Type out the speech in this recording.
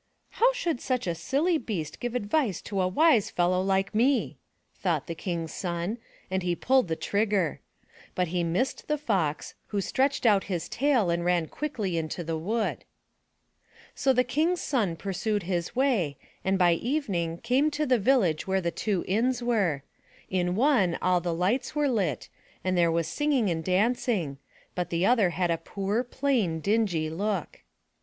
*' How should such a silly beast give advice to a wise fellow like me?'* thought the King's son, and he pulled the trigger. But he missed the Fox, who stretched out his tail and ran quickly into the wood. So the King's son pursued his way, and by evening came to the village where the two inns were; in one all the Ughts were lit, and there was singing and dancing, but the other had a poor, plain, dingy look.